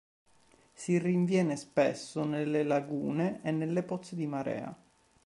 Si rinviene spesso nelle lagune e nelle pozze di marea.